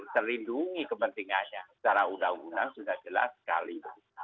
terlindungi kepentingannya secara undang undang sudah jelas sekali